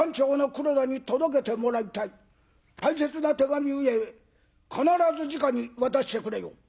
大切な手紙ゆえ必ずじかに渡してくれよ。